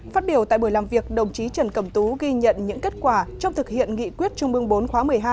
phát biểu tại buổi làm việc đồng chí trần cẩm tú ghi nhận những kết quả trong thực hiện nghị quyết trung mương bốn khóa một mươi hai